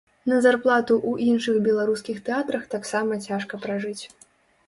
На зарплату ў іншых беларускіх тэатрах таксама цяжка пражыць.